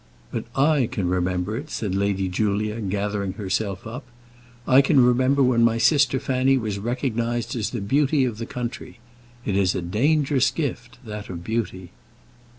"But I can remember it," said Lady Julia, gathering herself up. "I can remember when my sister Fanny was recognized as the beauty of the country. It is a dangerous gift, that of beauty."